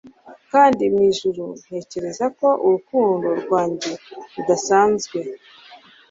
kandi ,, mwijuru, ntekereza ko urukundo rwanjye rudasanzwe